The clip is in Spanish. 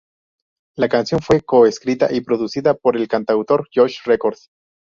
La canción fue co-escrita y producida por el cantautor Josh Record.